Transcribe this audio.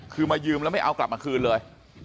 คือมายืมแล้วไม่เอากลับมาคืนเลย